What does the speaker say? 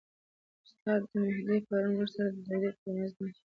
استاد مهدي پرون موږ سره د ډوډۍ پر میز ناست و.